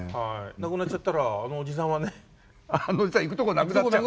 なくなっちゃったらあのおじさんはね。あのおじさん行くとこなくなっちゃう。